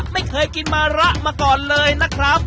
ไม่เคยกินมะระมาก่อนเลยนะครับ